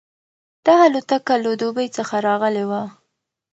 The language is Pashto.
دا الوتکه له دوبۍ څخه راغلې وه.